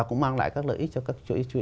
cũng mang lại các lợi ích cho các chủ yếu